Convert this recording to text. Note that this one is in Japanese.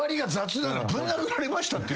「ぶん殴られました」って。